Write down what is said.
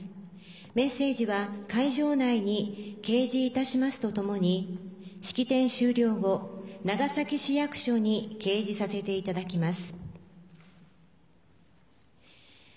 メッセージは会場内に掲示いたしますとともに式典終了後、長崎市役所に掲示させていただきます。